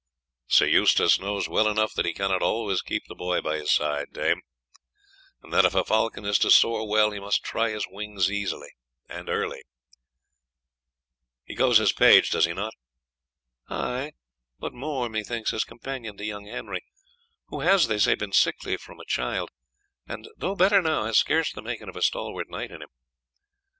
"Sir Eustace knows well enough that he cannot always keep the boy by his side, dame; and that if a falcon is to soar well, he must try his wings early. He goes as page, does he not?" "Ay, but more, methinks, as companion to young Henry, who has, they say, been sickly from a child, and, though better now, has scarce the making of a stalwart knight in him.